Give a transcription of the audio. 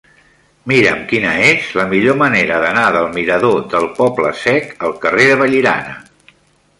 Mira'm quina és la millor manera d'anar del mirador del Poble Sec al carrer de Vallirana.